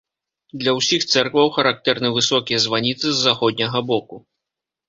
Для ўсіх цэркваў характэрны высокія званіцы з заходняга боку.